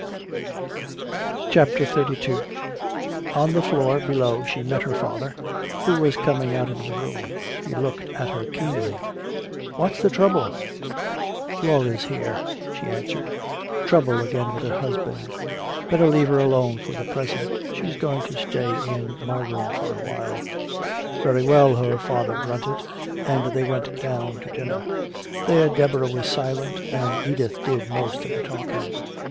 CHAPTER XXXII On the floor below she met her father, who was coming out of his room. He looked at her keenly: "What's the trouble?" "Laura's here," she answered. "Trouble again with her husband. Better leave her alone for the present she's going to stay in my room for a while." "Very well," her father grunted, and they went down to dinner. There Deborah was silent, and Edith did most of the talking.